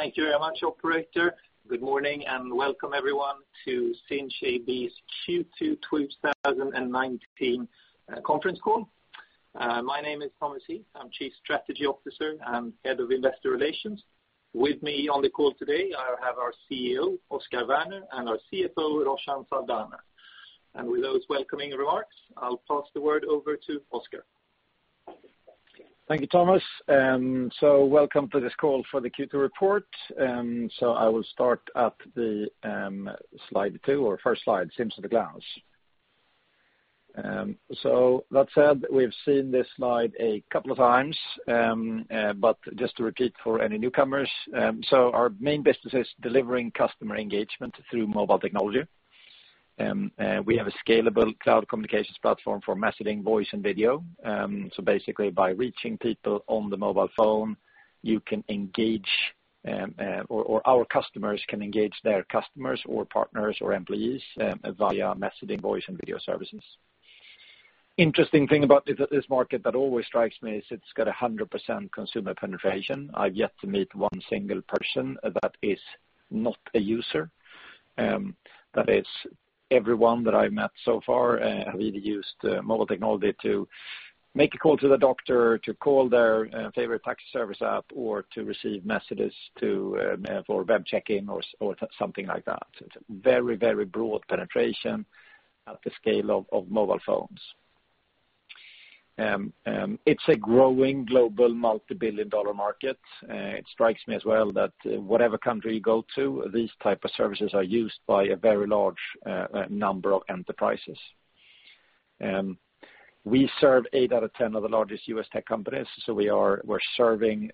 Thank you very much, operator. Good morning, and welcome everyone to Sinch AB's Q2 2019 Conference Call. My name is Thomas Heath. I am Chief Strategy Officer and Head of Investor Relations. With me on the call today, I have our CEO, Oscar Werner, and our CFO, Roshan Saldanha. With those welcoming remarks, I will pass the word over to Oscar. Thank you, Thomas. Welcome to this call for the Q2 report. I will start at the slide two or first slide, Sinch at a glance. That said, we have seen this slide a couple of times, but just to repeat for any newcomers. Our main business is delivering customer engagement through mobile technology. We have a scalable cloud communications platform for messaging, voice, and video. Basically, by reaching people on the mobile phone, our customers can engage their customers or partners or employees via messaging, voice, and video services. Interesting thing about this market that always strikes me is it has got 100% consumer penetration. I have yet to meet one single person that is not a user. That is, everyone that I have met so far have either used mobile technology to make a call to the doctor, to call their favorite taxi service app, or to receive messages for web check-in or something like that. It is a very broad penetration at the scale of mobile phones. It is a growing global multi-billion dollar market. It strikes me as well that whatever country you go to, these type of services are used by a very large number of enterprises. We serve eight out of 10 of the largest U.S. tech companies. We are serving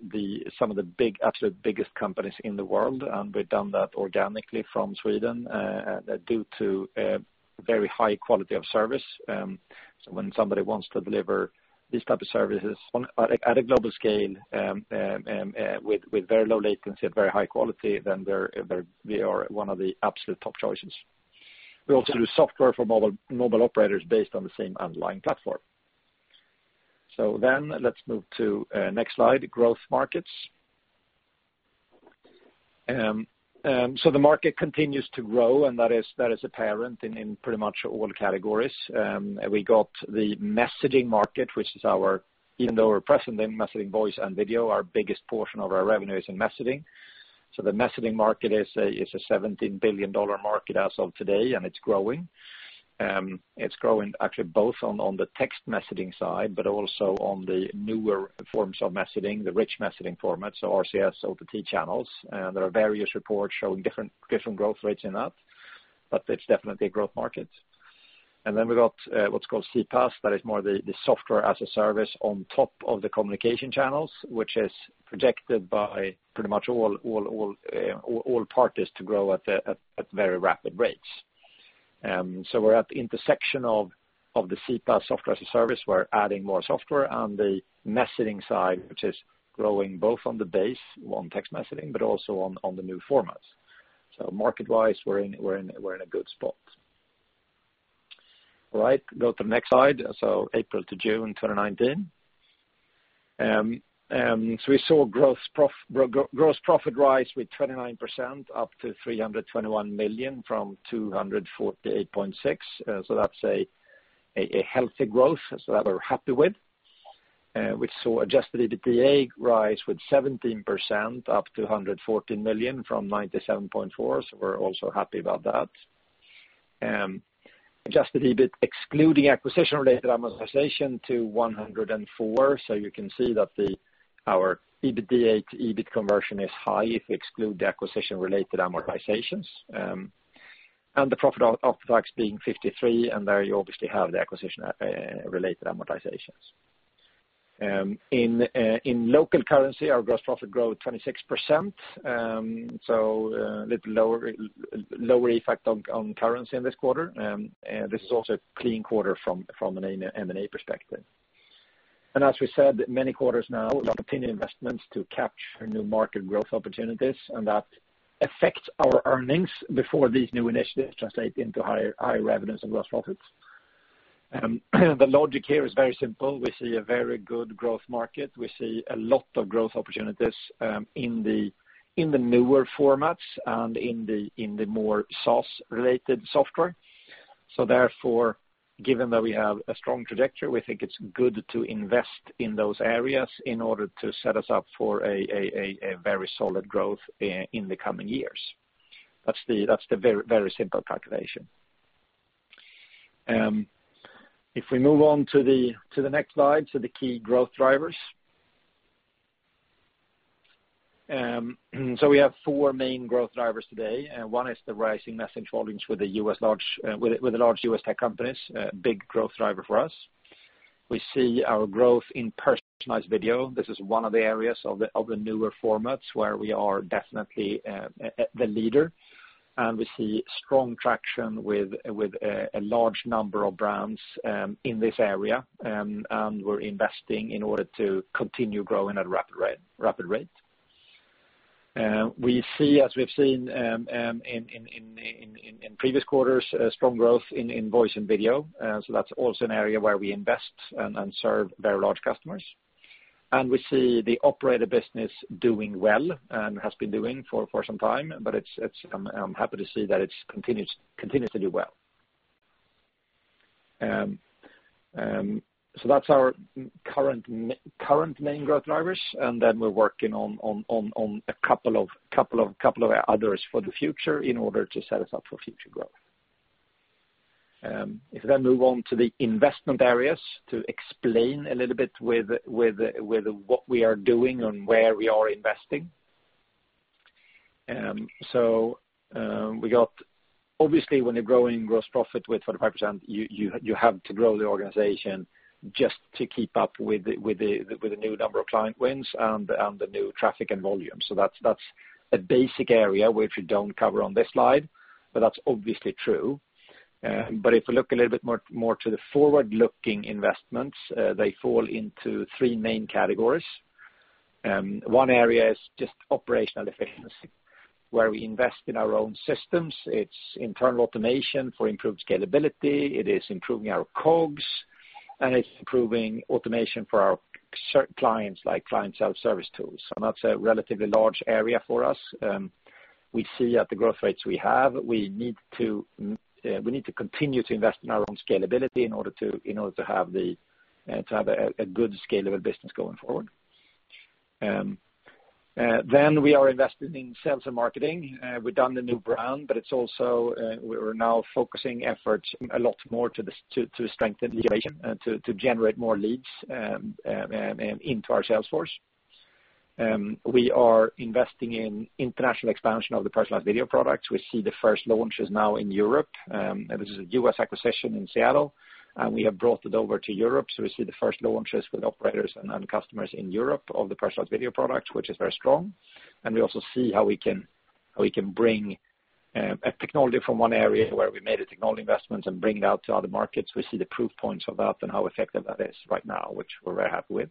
some of the absolute biggest companies in the world, and we have done that organically from Sweden due to very high quality of service. When somebody wants to deliver these type of services at a global scale with very low latency at very high quality, we are one of the absolute top choices. We also do software for mobile operators based on the same underlying platform. Let us move to next slide, growth markets. The market continues to grow, and that is apparent in pretty much all categories. We got the messaging market, even though we are present in messaging, voice, and video, our biggest portion of our revenue is in messaging. The messaging market is a SEK 17 billion market as of today, and it is growing. It is growing actually both on the text messaging side, but also on the newer forms of messaging, the rich messaging formats, RCS, OTT channels. There are various reports showing different growth rates in that, but it is definitely a growth market. We have got what is called CPaaS. More the software as a service on top of the communication channels, which is projected by pretty much all parties to grow at very rapid rates. We're at the intersection of the CPaaS software as a service. We're adding more software on the messaging side, which is growing both on the base, on text messaging, but also on the new formats. Market-wise, we're in a good spot. All right, go to the next slide. April to June 2019. We saw gross profit rise with 29%, up to 321 million from 248.6. That's a healthy growth that we're happy with. We saw adjusted EBITDA rise with 17%, up to 114 million from 97.4, we're also happy about that. Adjusted EBIT excluding acquisition-related amortization to 104. You can see that our EBITDA to EBIT conversion is high if you exclude the acquisition-related amortizations. The profit after tax being 53, and there you obviously have the acquisition-related amortizations. In local currency, our gross profit growth 26%, a little lower effect on currency in this quarter. This is also a clean quarter from an M&A perspective. As we said many quarters now, we continue investments to capture new market growth opportunities, and that affects our earnings before these new initiatives translate into higher revenues and gross profits. The logic here is very simple. We see a very good growth market. We see a lot of growth opportunities in the newer formats and in the more SaaS-related software. Therefore, given that we have a strong trajectory, we think it's good to invest in those areas in order to set us up for a very solid growth in the coming years. That's the very simple calculation. If we move on to the next slide, to the key growth drivers. We have four main growth drivers today. One is the rising message volumes with the large U.S. tech companies, a big growth driver for us. We see our growth in personalized video. This is one of the areas of the newer formats where we are definitely the leader. We see strong traction with a large number of brands in this area, and we're investing in order to continue growing at a rapid rate. We see, as we have seen in previous quarters, strong growth in voice and video. That's also an area where we invest and serve very large customers. We see the operator business doing well, and has been doing for some time. I'm happy to see that it continues to do well. That's our current main growth drivers, and then we're working on a couple of others for the future in order to set us up for future growth. If we move on to the investment areas to explain a little bit with what we are doing and where we are investing. Obviously, when you're growing gross profit with 45%, you have to grow the organization just to keep up with the new number of client wins and the new traffic and volume. That's a basic area which we don't cover on this slide, but that's obviously true. If you look a little bit more to the forward-looking investments, they fall into three main categories. One area is just operational efficiency, where we invest in our own systems. It's internal automation for improved scalability. It is improving our COGS, and it's improving automation for our clients, like client self-service tools, and that's a relatively large area for us. We see at the growth rates we have, we need to continue to invest in our own scalability in order to have a good scalable business going forward. We are investing in sales and marketing. We've done the new brand, we're now focusing efforts a lot more to strengthen lead generation and to generate more leads into our sales force. We are investing in international expansion of the personalized video product. We see the first launches now in Europe. This is a U.S. acquisition in Seattle, and we have brought it over to Europe. We see the first launches with operators and customers in Europe of the personalized video product, which is very strong. We also see how we can bring a technology from one area where we made a technology investment and bring it out to other markets. We see the proof points of that and how effective that is right now, which we're very happy with.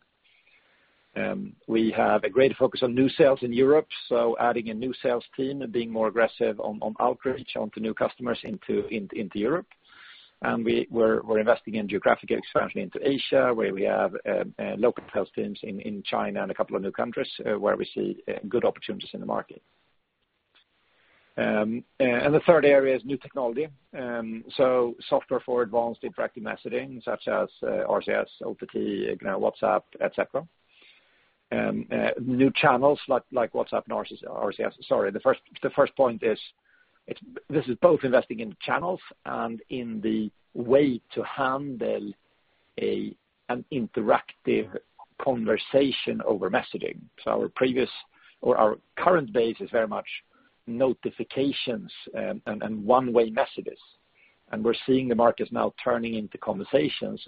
We have a great focus on new sales in Europe, adding a new sales team and being more aggressive on outreach onto new customers into Europe. We're investing in geographic expansion into Asia, where we have local sales teams in China and a couple of new countries, where we see good opportunities in the market. The third area is new technology. Software for advanced interactive messaging, such as RCS, OTT, WhatsApp, et cetera. New channels like WhatsApp and RCS. Sorry, the first point is, this is both investing in channels and in the way to handle an interactive conversation over messaging. Our current base is very much notifications and one-way messages. We're seeing the markets now turning into conversations,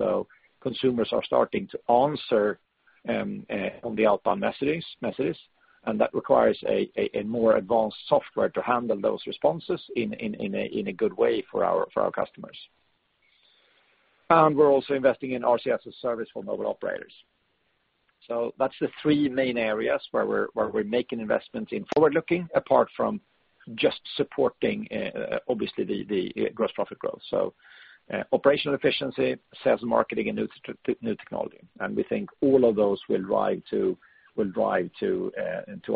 consumers are starting to answer on the outbound messages, and that requires a more advanced software to handle those responses in a good way for our customers. We're also investing in RCS as a service for mobile operators. That's the three main areas where we're making investments in forward-looking, apart from just supporting, obviously, the gross profit growth. Operational efficiency, sales and marketing, and new technology. We think all of those will drive to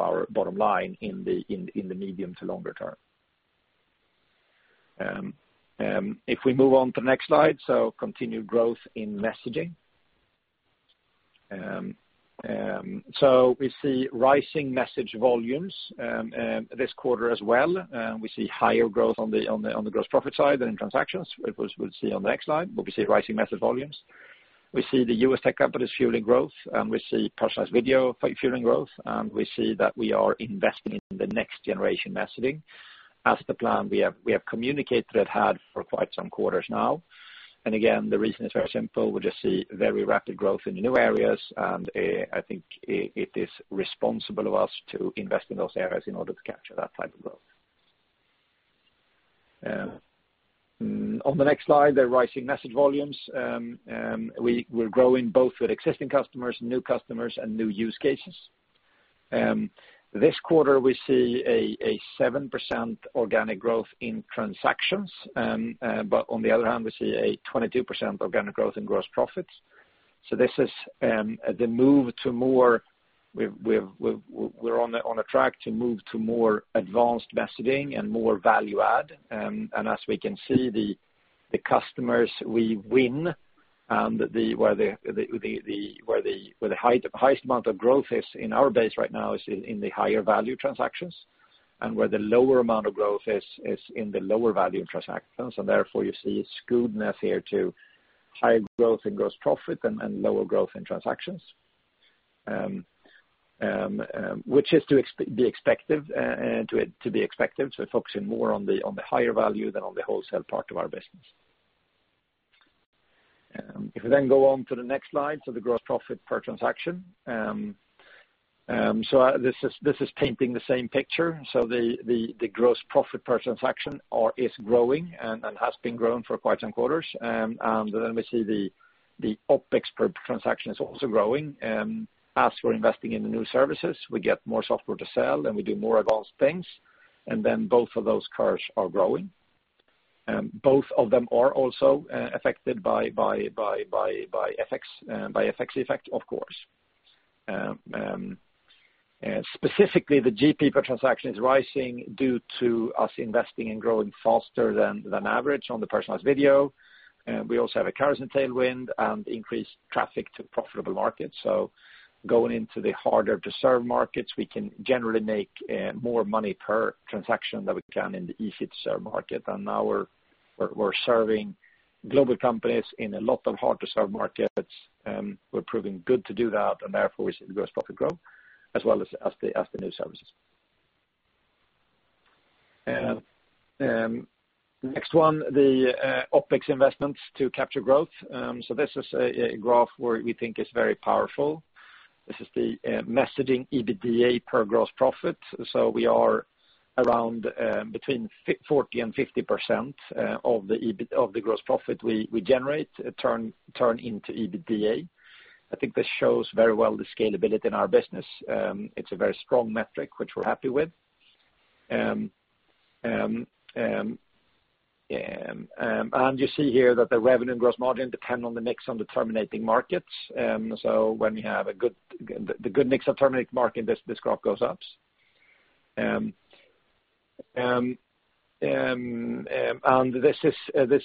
our bottom line in the medium to longer term. If we move on to the next slide. Continued growth in messaging. We see rising message volumes this quarter as well. We see higher growth on the gross profit side than in transactions, which we'll see on the next slide, we see rising message volumes. We see the U.S. tech companies fueling growth, we see personalized video fueling growth, we see that we are investing in the next-generation messaging as the plan we have communicated and had for quite some quarters now. Again, the reason is very simple. We just see very rapid growth in new areas, and I think it is responsible of us to invest in those areas in order to capture that type of growth. On the next slide, the rising message volumes. We're growing both with existing customers, new customers, and new use cases. This quarter, we see a 7% organic growth in transactions. On the other hand, we see a 22% organic growth in gross profits. We're on a track to move to more advanced messaging and more value add. As we can see, the customers we win and where the highest amount of growth is in our base right now is in the higher value transactions, and where the lower amount of growth is in the lower value transactions. Therefore you see a skewness here to higher growth in gross profit and lower growth in transactions, which is to be expected. We're focusing more on the higher value than on the wholesale part of our business. If we then go on to the next slide, the gross profit per transaction. This is painting the same picture. The gross profit per transaction is growing and has been growing for quite some quarters. Then we see the OpEx per transaction is also growing. As we're investing in the new services, we get more software to sell, and we do more advanced things. Then both of those curves are growing. And both of them are also affected by FX effect, of course. Specifically, the GP per transaction is rising due to us investing in growing faster than average on the personalized video. We also have a carrier tailwind and increased traffic to profitable markets. Going into the harder-to-serve markets, we can generally make more money per transaction than we can in the easy-to-serve market. Now we're serving global companies in a lot of hard-to-serve markets, and we're proving good to do that, and therefore we see gross profit grow as well as the new services. Next one, the OpEx investments to capture growth. This is a graph where we think is very powerful. This is the messaging EBITDA per gross profit. We are around between 40% and 50% of the gross profit we generate turn into EBITDA. I think this shows very well the scalability in our business. It's a very strong metric, which we're happy with. You see here that the revenue gross margin depend on the mix on the terminating markets. When we have the good mix of terminating market, this graph goes up. This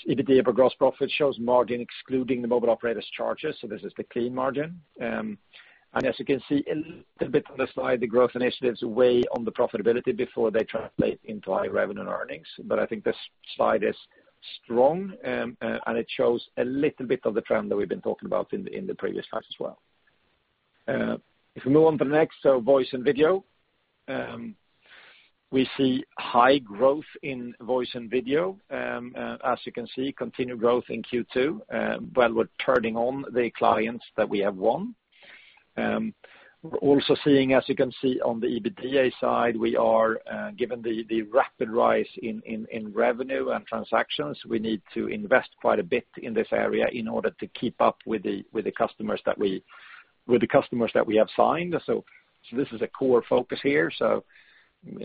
EBITDA per gross profit shows margin excluding the mobile operators charges. This is the clean margin. As you can see a little bit on the slide, the growth initiatives weigh on the profitability before they translate into high revenue earnings. I think this slide is strong, and it shows a little bit of the trend that we've been talking about in the previous slides as well. If we move on to the next, voice and video. We see high growth in voice and video. As you can see, continued growth in Q2, while we're turning on the clients that we have won. We're also seeing, as you can see on the EBITDA side, we are, given the rapid rise in revenue and transactions, we need to invest quite a bit in this area in order to keep up with the customers that we have signed. This is a core focus here.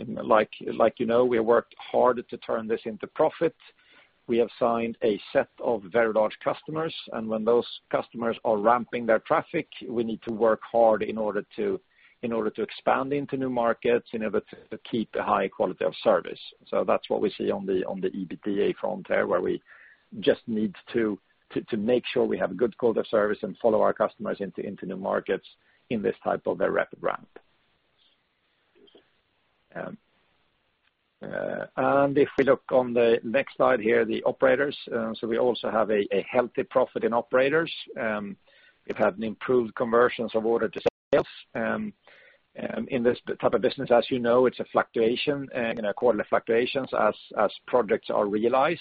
Like you know, we have worked hard to turn this into profit. We have signed a set of very large customers, when those customers are ramping their traffic, we need to work hard in order to expand into new markets, in order to keep a high quality of service. That is what we see on the EBITDA front there, where we just need to make sure we have a good quality of service and follow our customers into new markets in this type of a rapid ramp. If we look on the next slide here, the operators. We also have a healthy profit in operators. We have had improved conversions of order to sales. In this type of business, as you know, it is a fluctuation, quarterly fluctuations as projects are realized.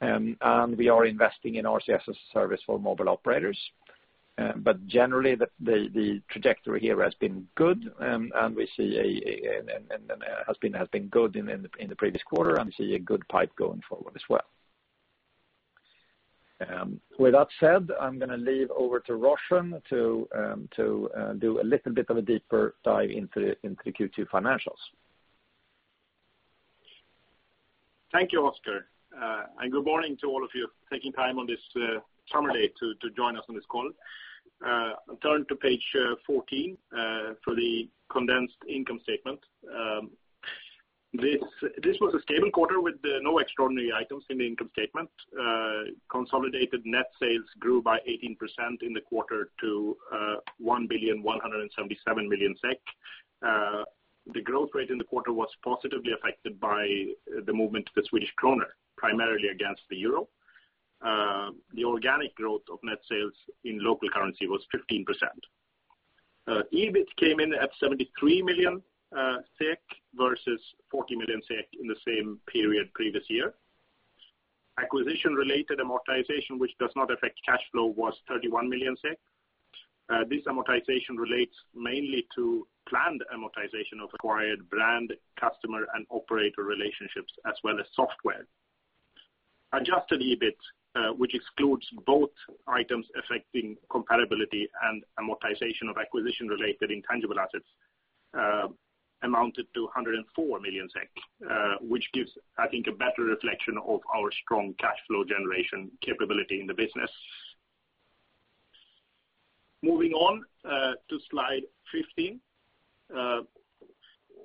We are investing in RCS as a service for mobile operators. Generally, the trajectory here has been good, and has been good in the previous quarter, and we see a good pipe going forward as well. With that said, I am going to leave over to Roshan to do a little bit of a deeper dive into the Q2 financials. Thank you, Oscar. Good morning to all of you, taking time on this summer day to join us on this call. Turn to page 14 for the condensed income statement. This was a stable quarter with no extraordinary items in the income statement. Consolidated net sales grew by 18% in the quarter to 1,177,000,000 SEK. The growth rate in the quarter was positively affected by the movement of the Swedish krona, primarily against the EUR. The organic growth of net sales in local currency was 15%. EBIT came in at 73 million SEK versus 40 million SEK in the same period previous year. Acquisition-related amortization, which does not affect cash flow, was 31 million SEK. This amortization relates mainly to planned amortization of acquired brand, customer, and operator relationships, as well as software. Adjusted EBIT, which excludes both items affecting comparability and amortization of acquisition-related intangible assets, amounted to 204 million SEK, which gives, I think, a better reflection of our strong cash flow generation capability in the business. Moving on to slide 15.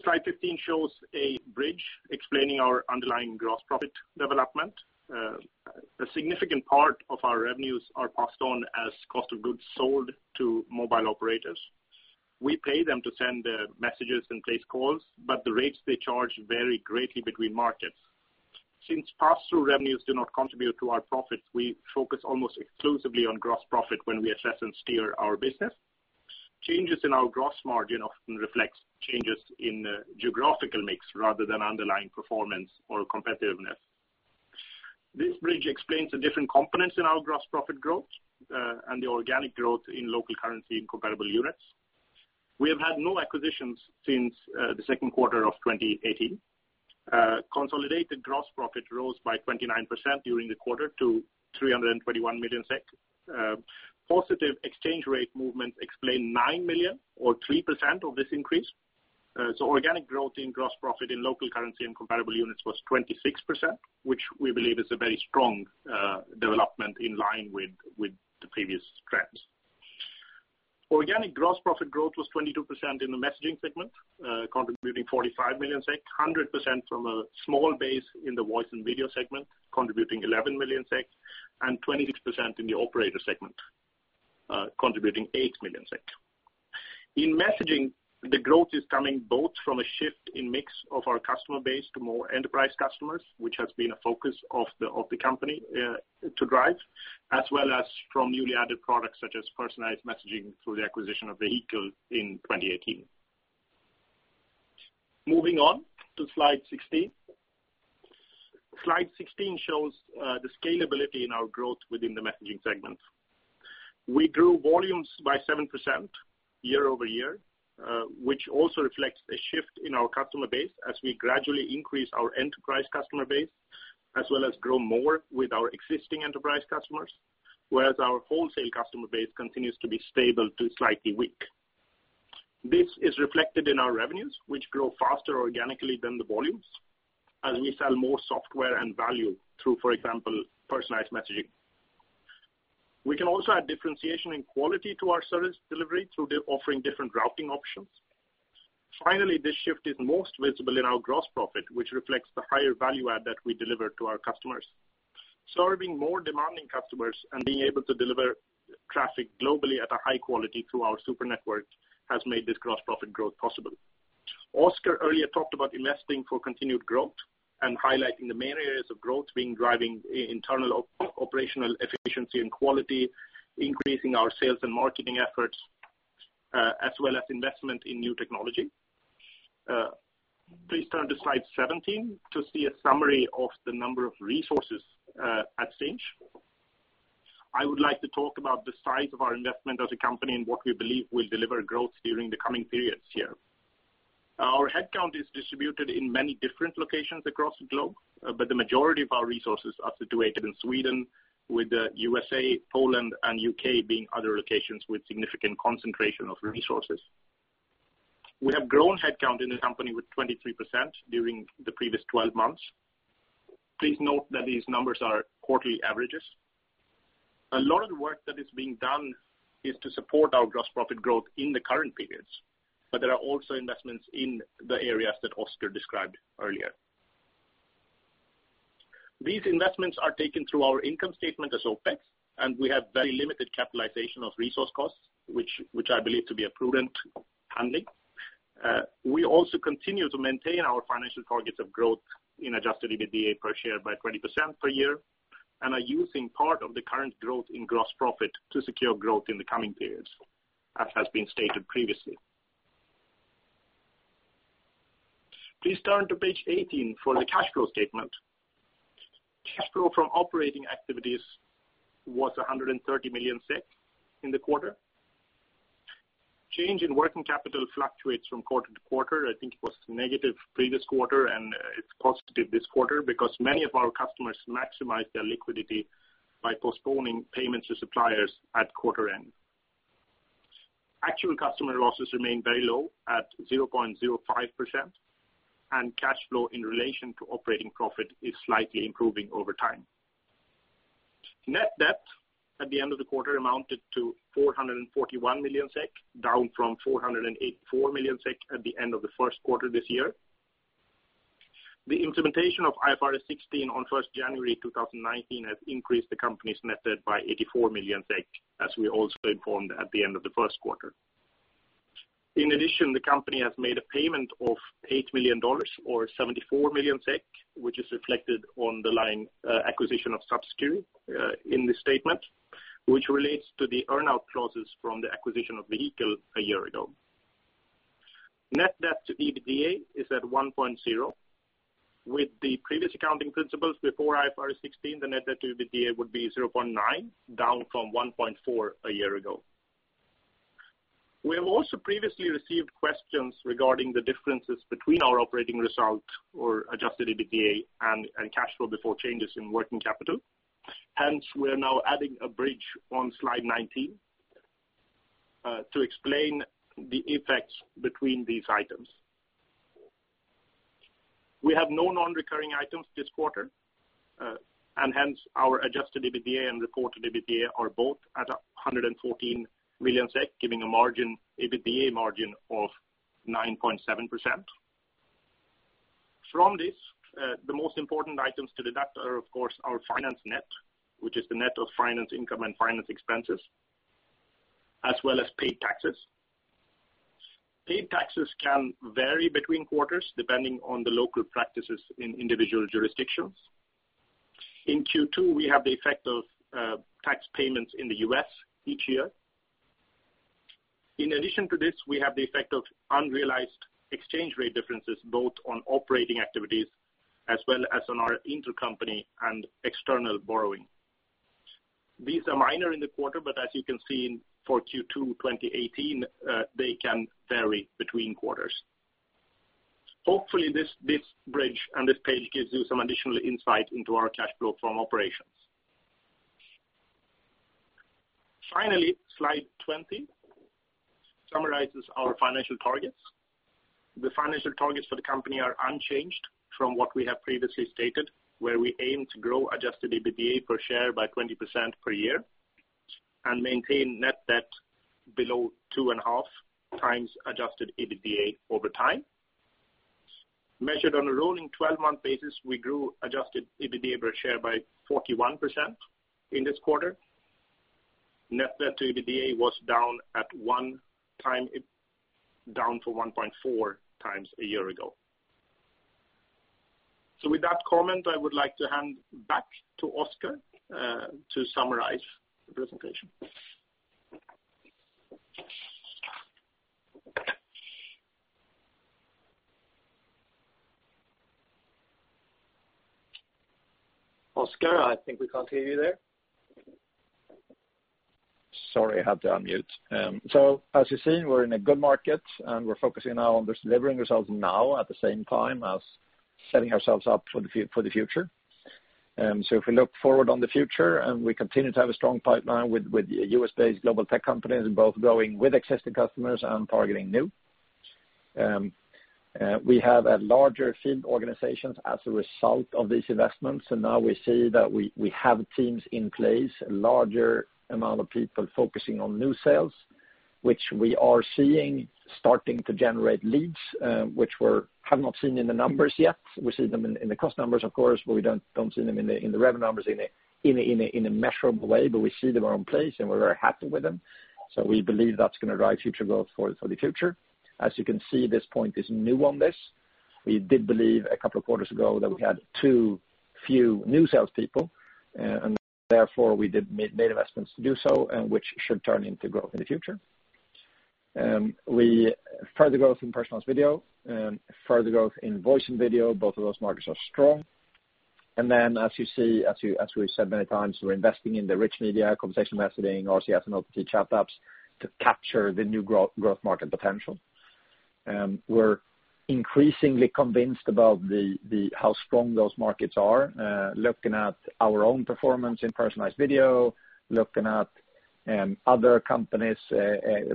Slide 15 shows a bridge explaining our underlying gross profit development. A significant part of our revenues are passed on as cost of goods sold to mobile operators. We pay them to send messages and place calls, but the rates they charge vary greatly between markets. Since pass-through revenues do not contribute to our profits, we focus almost exclusively on gross profit when we assess and steer our business. Changes in our gross margin often reflects changes in geographical mix rather than underlying performance or competitiveness. This bridge explains the different components in our gross profit growth, and the organic growth in local currency in comparable units. We have had no acquisitions since the second quarter of 2018. Consolidated gross profit rose by 29% during the quarter to 321 million SEK. Positive exchange rate movement explained 9 million or 3% of this increase. Organic growth in gross profit in local currency and comparable units was 26%, which we believe is a very strong development in line with the previous trends. Organic gross profit growth was 22% in the messaging segment, contributing 45 million SEK, 100% from a small base in the voice and video segment, contributing 11 million SEK, and 26% in the operator segment, contributing 8 million SEK. In messaging, the growth is coming both from a shift in mix of our customer base to more enterprise customers, which has been a focus of the company to drive, as well as from newly added products such as personalized messaging through the acquisition of Vehicle in 2018. Moving on to slide 16. Slide 16 shows the scalability in our growth within the messaging segment. We grew volumes by 7% year-over-year, which also reflects a shift in our customer base as we gradually increase our enterprise customer base, as well as grow more with our existing enterprise customers, whereas our wholesale customer base continues to be stable to slightly weak. This is reflected in our revenues, which grow faster organically than the volumes as we sell more software and value through, for example, personalized messaging. We can also add differentiation and quality to our service delivery through offering different routing options. Finally, this shift is most visible in our gross profit, which reflects the higher value add that we deliver to our customers. Serving more demanding customers and being able to deliver traffic globally at a high quality through our Super Network has made this gross profit growth possible. Oscar earlier talked about investing for continued growth and highlighting the main areas of growth being driving internal operational efficiency and quality, increasing our sales and marketing efforts, as well as investment in new technology. Please turn to slide 17 to see a summary of the number of resources at Sinch. I would like to talk about the size of our investment as a company and what we believe will deliver growth during the coming periods here. Our headcount is distributed in many different locations across the globe, but the majority of our resources are situated in Sweden, with the U.S.A., Poland, and U.K. being other locations with significant concentration of resources. We have grown headcount in the company with 23% during the previous 12 months. Please note that these numbers are quarterly averages. A lot of the work that is being done is to support our gross profit growth in the current periods, but there are also investments in the areas that Oscar described earlier. These investments are taken through our income statement as OpEx, and we have very limited capitalization of resource costs, which I believe to be a prudent handling. We also continue to maintain our financial targets of growth in adjusted EBITDA per share by 20% per year and are using part of the current growth in gross profit to secure growth in the coming periods, as has been stated previously. Please turn to page 18 for the cash flow statement. Cash flow from operating activities was 130 million SEK in the quarter. Change in working capital fluctuates from quarter to quarter. I think it was negative previous quarter, and it's positive this quarter because many of our customers maximize their liquidity by postponing payments to suppliers at quarter end. Actual customer losses remain very low at 0.05%, and cash flow in relation to operating profit is slightly improving over time. Net debt at the end of the quarter amounted to 441 million SEK, down from 484 million SEK at the end of the first quarter this year. The implementation of IFRS 16 on 1st January 2019 has increased the company's net debt by 84 million SEK, as we also informed at the end of the first quarter. The company has made a payment of $8 million or 74 million SEK, which is reflected on the line acquisition of [Subscription] in this statement, which relates to the earn-out clauses from the acquisition of Vehicle a year ago. Net debt to EBITDA is at 1.0. With the previous accounting principles before IFRS 16, the net debt to EBITDA would be 0.9, down from 1.4 a year ago. We have also previously received questions regarding the differences between our operating result or adjusted EBITDA and cash flow before changes in working capital. We are now adding a bridge on slide 19 to explain the effects between these items. We have no non-recurring items this quarter, and our adjusted EBITDA and reported EBITDA are both at 114 million SEK, giving an EBITDA margin of 9.7%. The most important items to deduct are of course our finance net, which is the net of finance income and finance expenses, as well as paid taxes. Paid taxes can vary between quarters depending on the local practices in individual jurisdictions. In Q2, we have the effect of tax payments in the U.S. each year. We have the effect of unrealized exchange rate differences both on operating activities as well as on our intercompany and external borrowing. These are minor in the quarter, but as you can see for Q2 2018, they can vary between quarters. Hopefully, this bridge and this page gives you some additional insight into our cash flow from operations. Slide 20 summarizes our financial targets. The financial targets for the company are unchanged from what we have previously stated, where we aim to grow adjusted EBITDA per share by 20% per year and maintain net debt below two and a half times adjusted EBITDA over time. Measured on a rolling 12-month basis, we grew adjusted EBITDA per share by 41% in this quarter. Net debt to EBITDA was down to 1.4x a year ago. With that comment, I would like to hand back to Oscar to summarize the presentation. Oscar, I think we can't hear you there. Sorry, I had to unmute. As you've seen, we're in a good market, and we're focusing now on just delivering results now at the same time as setting ourselves up for the future. If we look forward on the future, we continue to have a strong pipeline with U.S.-based global tech companies, both growing with existing customers and targeting new. We have a larger field organization as a result of these investments, and now we see that we have teams in place, a larger amount of people focusing on new sales, which we are seeing starting to generate leads, which we have not seen in the numbers yet. We see them in the cost numbers, of course, but we don't see them in the revenue numbers in a measurable way. We see them are in place, and we're very happy with them. We believe that's going to drive future growth for the future. As you can see, this point is new on this. We did believe a couple of quarters ago that we had too few new salespeople, and therefore, we did make investments to do so, which should turn into growth in the future. We further growth in personalized video, further growth in voice and video. Both of those markets are strong. As you see, as we've said many times, we're investing in the rich media, conversational messaging, RCS, and OTT chat apps to capture the new growth market potential. We're increasingly convinced about how strong those markets are. Looking at our own performance in personalized video, looking at other companies'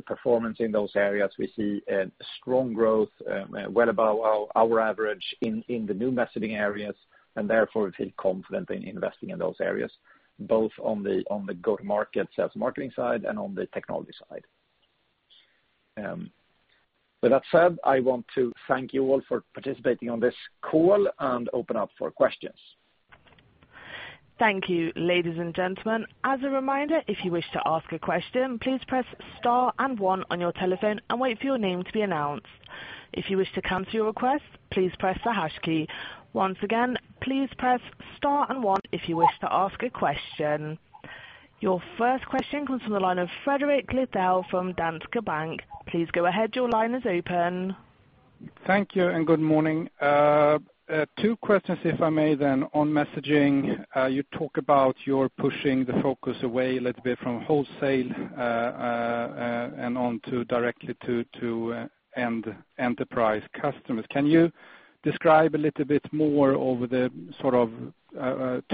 performance in those areas, we see a strong growth, well above our average in the new messaging areas. Therefore, we feel confident in investing in those areas, both on the go-to-market sales marketing side and on the technology side. With that said, I want to thank you all for participating on this call and open up for questions. Your first question comes from the line of Fredrik Lithell from Handelsbanken. Please go ahead. Your line is open. Thank you. Good morning. Two questions, if I may, then. On messaging, you talk about your pushing the focus away a little bit from wholesale and on to directly to end enterprise customers. Can you describe a little bit more over the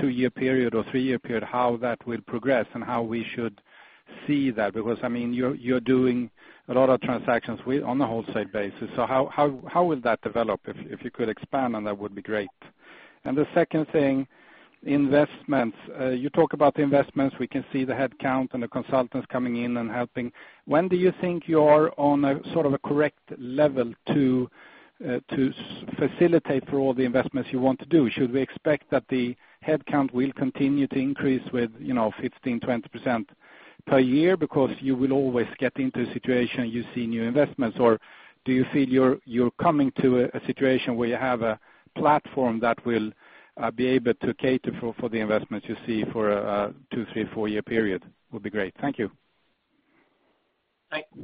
two-year period or three-year period how that will progress and how we should see that? You're doing a lot of transactions on the wholesale basis. How will that develop? If you could expand on that would be great. The second thing, investments. You talk about the investments. We can see the headcount and the consultants coming in and helping. When do you think you're on a correct level to facilitate for all the investments you want to do? Should we expect that the headcount will continue to increase with 15%-20% per year because you will always get into a situation you see new investments? Or do you feel you're coming to a situation where you have a platform that will be able to cater for the investments you see for a two, three, four-year period? Would be great. Thank you.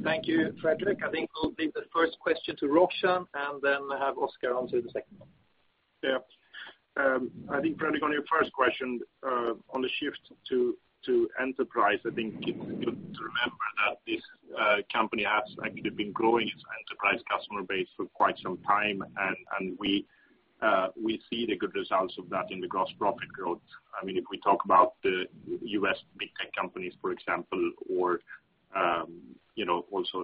Thank you, Fredrik. I think we'll leave the first question to Roshan and then have Oscar answer the second one. I think, Fredrik, on your first question, on the shift to enterprise, I think it's good to remember that this company has actively been growing its enterprise customer base for quite some time, and we see the good results of that in the gross profit growth. If we talk about the U.S. big tech companies, for example, or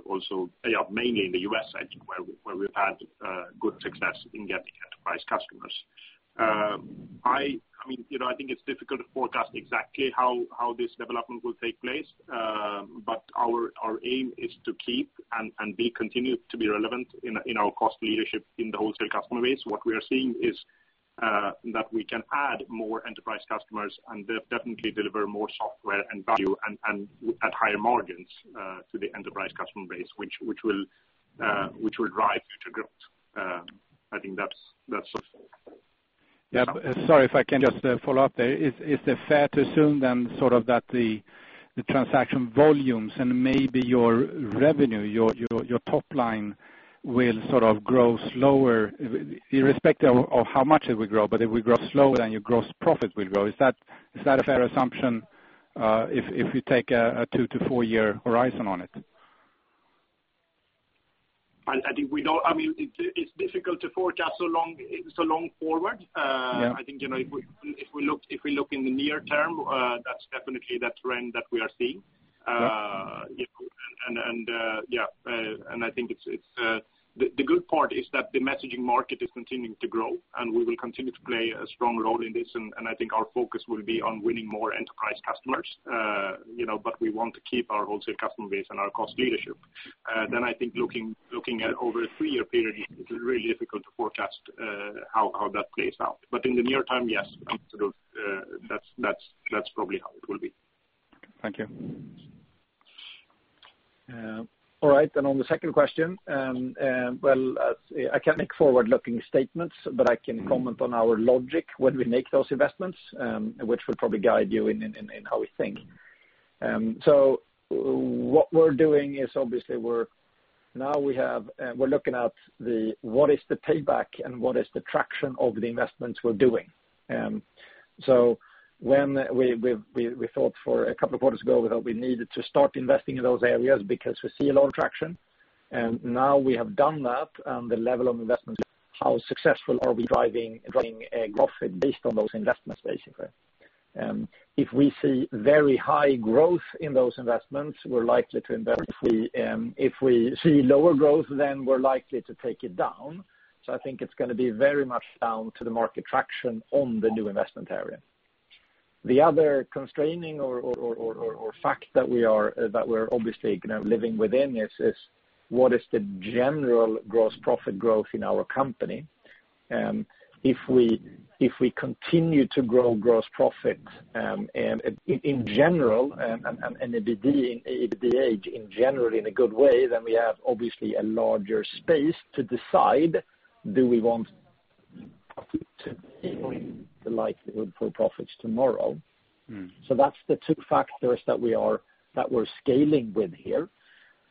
also mainly in the U.S. actually, where we've had good success in getting enterprise customers. I think it's difficult to forecast exactly how this development will take place, but our aim is to keep and continue to be relevant in our cost leadership in the wholesale customer base. What we are seeing is that we can add more enterprise customers and definitely deliver more software and value and at higher margins to the enterprise customer base, which will drive future growth. I think that's all. Sorry, if I can just follow up there. Is it fair to assume then that the transaction volumes and maybe your revenue, your top line, will grow slower, irrespective of how much it will grow, but it will grow slower than your gross profit will grow? Is that a fair assumption if you take a 2 - 4-year horizon on it? I think it's difficult to forecast so long forward. Yeah. I think if we look in the near term, that's definitely that trend that we are seeing. Yeah. The good part is that the messaging market is continuing to grow, and we will continue to play a strong role in this, and I think our focus will be on winning more enterprise customers. We want to keep our wholesale customer base and our cost leadership. I think looking at over a three-year period, it's really difficult to forecast how that plays out. In the near term, yes, absolutely. That's probably how it will be. Thank you. All right, on the second question, well, I can't make forward-looking statements, but I can comment on our logic when we make those investments, which will probably guide you in how we think. What we're doing is obviously, now we're looking at what is the payback and what is the traction of the investments we're doing. A couple of quarters ago, we thought we needed to start investing in those areas because we see a lot of traction. Now we have done that, and the level of investment, how successful are we driving a profit based on those investments, basically. If we see very high growth in those investments, we're likely to invest. If we see lower growth, we're likely to take it down. I think it's going to be very much down to the market traction on the new investment area. The other constraining or fact that we're obviously living within is, what is the general gross profit growth in our company? If we continue to grow gross profits, and EBITDA in general in a good way, we have obviously a larger space to decide, do we want profit today or the likelihood for profits tomorrow? That's the two factors that we're scaling with here.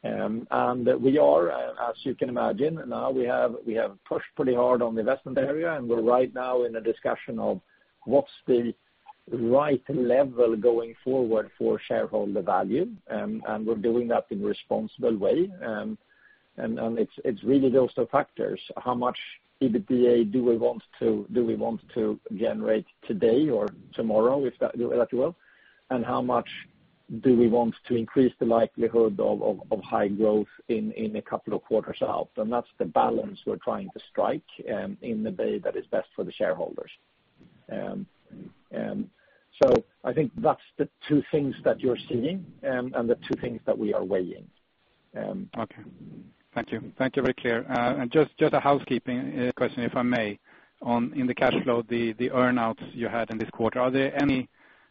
We are, as you can imagine, now we have pushed pretty hard on the investment area, and we're right now in a discussion of what's the right level going forward for shareholder value. We're doing that in a responsible way. It's really those two factors. How much EBITDA do we want to generate today or tomorrow, if that do well? How much do we want to increase the likelihood of high growth in a couple of quarters out? That's the balance we're trying to strike, in the way that is best for the shareholders. I think that's the two things that you're seeing and the two things that we are weighing. Okay. Thank you. Thank you. Very clear. Just a housekeeping question, if I may. In the cash flow, the earn-outs you had in this quarter, are there any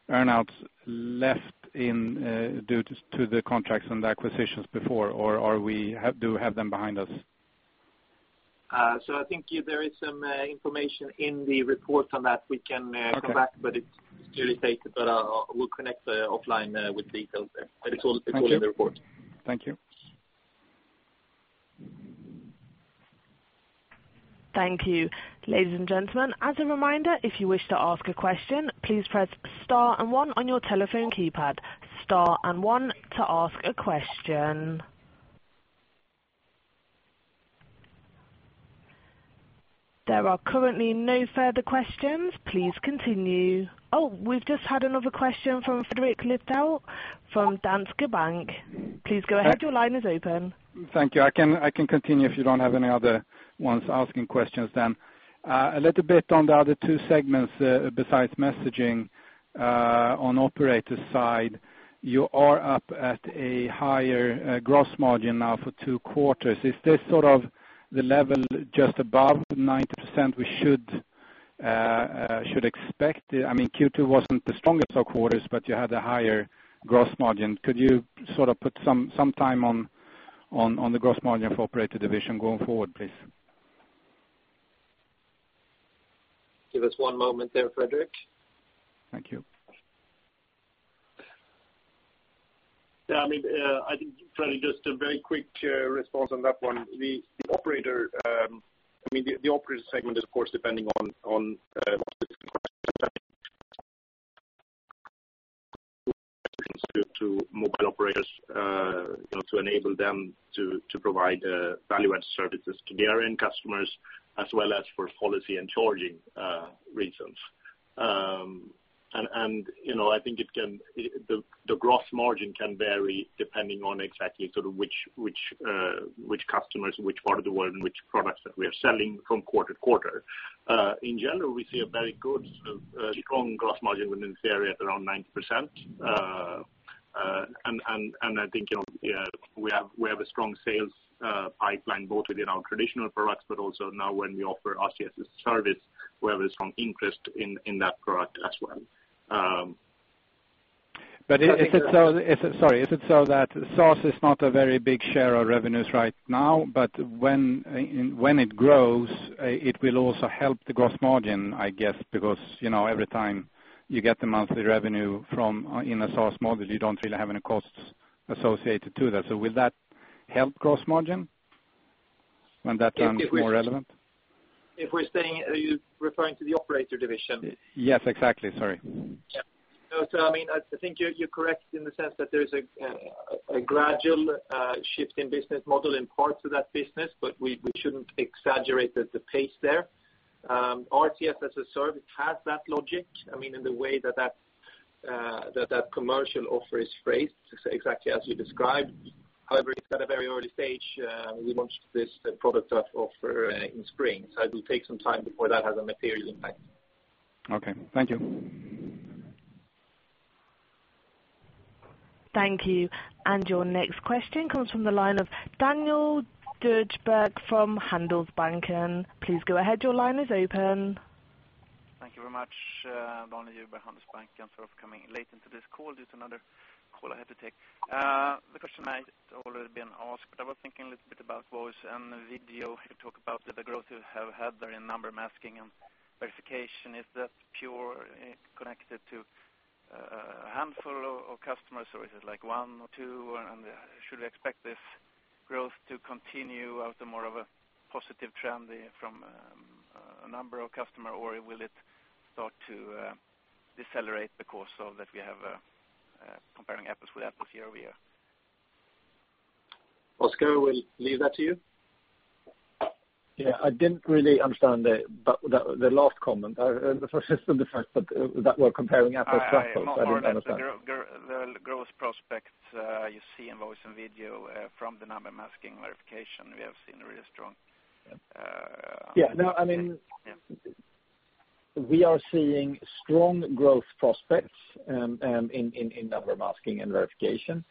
earn-outs left due to the contracts and acquisitions before, or do we have them behind us? I think there is some information in the report on that. We can come back, but it's clearly stated, but we'll connect offline with details there. It's all in the report. Thank you. Thank you. There are currently no further questions. Please continue. Oh, we've just had another question from Fredrik Lithell from Handelsbanken. Please go ahead. Your line is open. Thank you. I can continue if you don't have any other ones asking questions then. A little bit on the other two segments besides messaging. On operator side, you are up at a higher gross margin now for two quarters. Is this sort of the level just above 90% we should expect? Q2 wasn't the strongest of quarters, but you had a higher gross margin. Could you put some time on the gross margin for operator division going forward, please? Give us one moment there, Fredrik. Thank you. Yeah. I think, Fredrik, just a very quick response on that one. The operator segment is, of course, depending on to mobile operators to enable them to provide value-added services to their end customers, as well as for policy and charging reasons. I think the gross margin can vary depending on exactly which customers, which part of the world, and which products that we are selling from quarter to quarter. In general, we see a very good, strong gross margin within this area at around 90%. I think we have a strong sales pipeline both within our traditional products, but also now when we offer RCS as a service, we have a strong interest in that product as well. Sorry. Is it so that SaaS is not a very big share of revenues right now, but when it grows, it will also help the gross margin, I guess, because every time you get the monthly revenue in a SaaS model, you don't really have any costs associated to that. Will that help gross margin when that becomes more relevant? If we're staying, are you referring to the operator division? Yes, exactly. Sorry. Yeah. I think you're correct in the sense that there's a gradual shift in business model in parts of that business, but we shouldn't exaggerate the pace there. RCS as a service has that logic, in the way that commercial offer is phrased, exactly as you described. It's at a very early stage. We launched this product offer in spring, so it will take some time before that has a material impact. Okay. Thank you. Thank you. Your next question comes from the line of Daniel Djurberg from Handelsbanken. Please go ahead. Your line is open. Thank you very much. Daniel Djurberg, Handelsbanken. Sorry for coming late into this call, there was another call I had to take. The question might already been asked, but I was thinking a little bit about voice and video. You talk about the growth you have had there in number masking and verification. Is that pure connected to a handful of customers, or is it like one or two? Should we expect this growth to continue out of more of a positive trend from a number of customer, or will it start to decelerate the course so that we have comparing apples with apples year-over-year? Oscar, we'll leave that to you. Yeah, I didn't really understand the last comment. The first is the difference, that we're comparing apples to apples. I don't understand. No. The growth prospects you see in voice and video from the number masking verification, we have seen really strong. Yeah. We are seeing strong growth prospects in number masking and verification.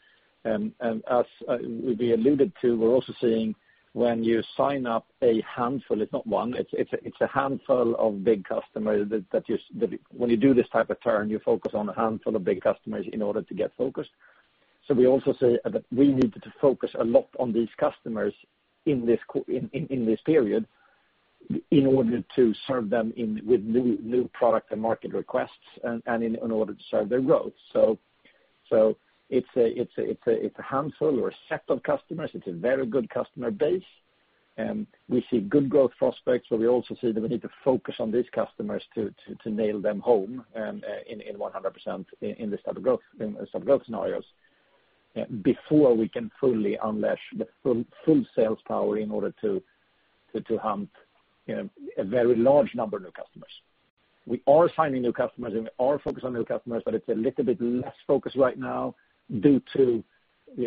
As we alluded to, we're also seeing when you sign up a handful, it's not one, it's a handful of big customers that when you do this type of turn, you focus on a handful of big customers in order to get focused. We also say that we need to focus a lot on these customers in this period in order to serve them with new product and market requests and in order to serve their growth. It's a handful or a set of customers. It's a very good customer base, and we see good growth prospects, but we also see that we need to focus on these customers to nail them home in 100% in the type of growth scenarios, before we can fully unleash the full sales power in order to hunt a very large number of new customers. We are signing new customers, and we are focused on new customers, but it's a little bit less focused right now due to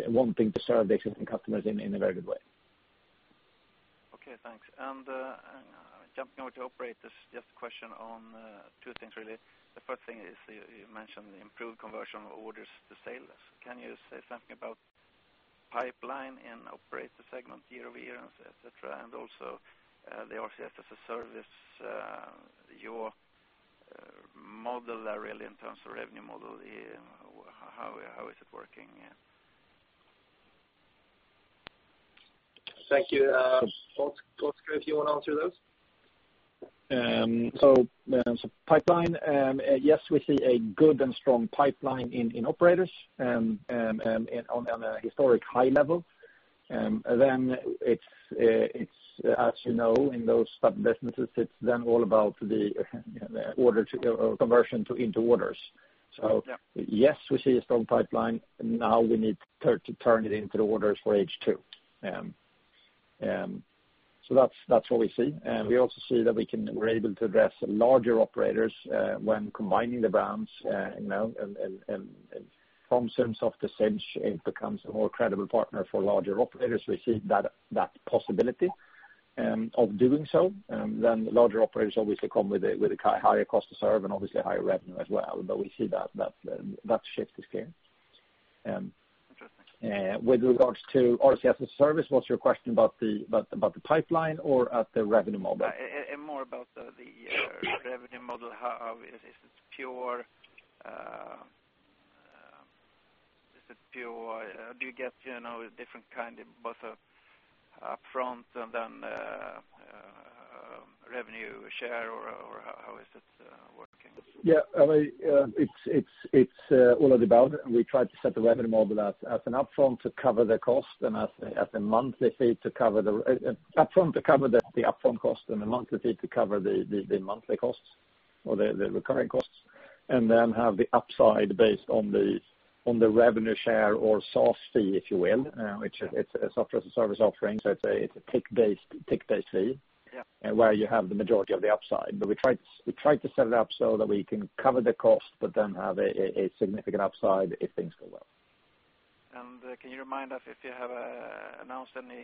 wanting to serve the existing customers in a very good way. Okay, thanks. Jumping over to operators, just a question on two things really. The first thing is you mentioned the improved conversion of orders to sales. Can you say something about pipeline in operator segment year-over-year, et cetera? Also, the RCS as a service, your model there really in terms of revenue model, how is it working? Thank you. Oscar, if you want to answer those. Pipeline, yes, we see a good and strong pipeline in operators, on a historic high level. It's as you know, in those type of businesses, it's then all about the conversion into orders. Yeah. Yes, we see a strong pipeline. Now we need to turn it into orders for H2. That's what we see. We also see that we're able to address larger operators, when combining the brands, and from Sinch, it becomes a more credible partner for larger operators. We see that possibility of doing so. Larger operators obviously come with a higher cost to serve and obviously higher revenue as well. We see that shift is clear. Interesting. With regards to RCS as a service, what's your question about the pipeline or at the revenue model? More about the revenue model. Is it pure, do you get different kind of both upfront and then revenue share, or how is it working? Yeah. It's all of the above. We try to set the revenue model as an upfront to cover the cost and as a monthly fee to cover the upfront to cover the upfront cost and a monthly fee to cover the monthly costs or the recurring costs, then have the upside based on the revenue share or SaaS fee, if you will. It's a Software as a Service offering, it's a tick-based fee- Yeah -where you have the majority of the upside. We try to set it up so that we can cover the cost, then have a significant upside if things go well. Can you remind us if you have announced any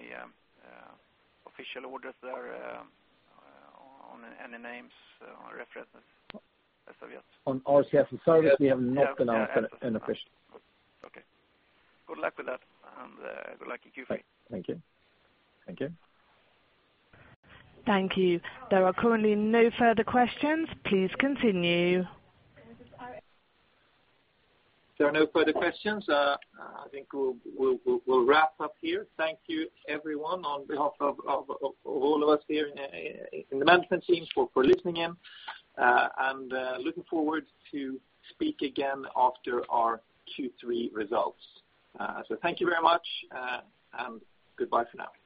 official orders there, on any names or references as of yet? On RCS as a service, we have not announced an official. Okay. Good luck with that. Good luck in Q3. Thank you. Thank you. Thank you. There are currently no further questions. Please continue. If there are no further questions, I think we'll wrap up here. Thank you everyone on behalf of all of us here in the management team for listening in, and looking forward to speak again after our Q3 results. Thank you very much, and goodbye for now.